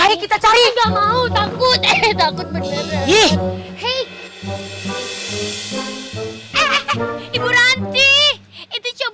aku akan menganggap